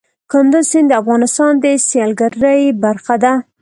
کندز سیند د افغانستان د سیلګرۍ برخه ده.